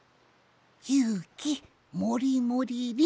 「ゆうきもりもりりん」じゃ。